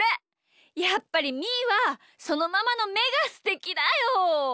やっぱりみーはそのままのめがすてきだよ！